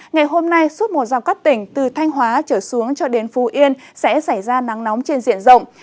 ngày hôm nay suốt một dòng các tỉnh từ thanh hóa trở xuống cho đến phú yên sẽ xảy ra nắng nóng trên diện rộng